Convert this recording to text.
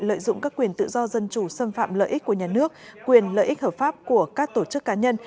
lợi dụng các quyền tự do dân chủ xâm phạm lợi ích của nhà nước quyền lợi ích hợp pháp của các tổ chức cá nhân